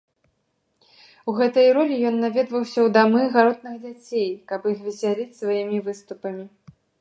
У гэтай ролі ён наведваўся ў дамы гаротных дзяцей, каб іх весяліць сваімі выступамі.